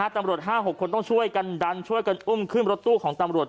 ตำรวจ๕๖คนต้องช่วยกันดันช่วยกันอุ้มขึ้นรถตู้ของตำรวจ